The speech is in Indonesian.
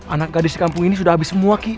anak gadis di kampung ini sudah habis semua ki